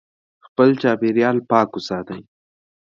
خپل چاپیریال پاک وساتئ.